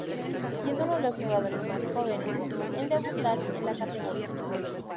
Siendo uno de los jugadores más jóvenes en debutar en la categoría.